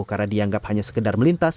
karena dianggap hanya sekedar melintas